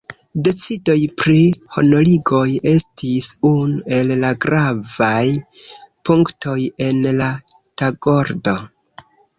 Decidoj pri honorigoj estis unu el la gravaj punktoj en la tagordo.